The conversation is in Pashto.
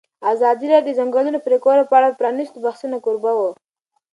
ازادي راډیو د د ځنګلونو پرېکول په اړه د پرانیستو بحثونو کوربه وه.